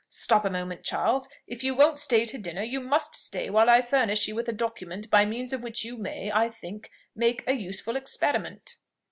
Stop a moment, Charles: if you won't stay dinner, you must stay while I furnish you with a document by means of which you may, I think, make a useful experiment."